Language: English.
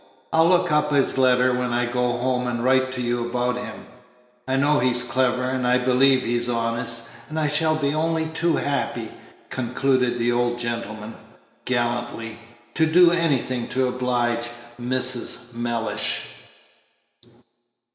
I'll look up his letter when I go home, and write to you about him. I know he's clever, and I believe he's honest; and I shall be only too happy," concluded the old gentleman, gallantly, "to do anything to oblige Mrs. Mellish."